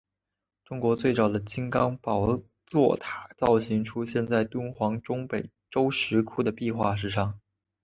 中国最早的金刚宝座塔造型出现在敦煌中北周石窟的壁画之上。